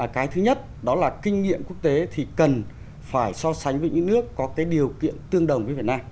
cái thứ nhất đó là kinh nghiệm quốc tế thì cần phải so sánh với những nước có cái điều kiện tương đồng với việt nam